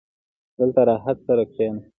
• دلته راحت سره کښېنه.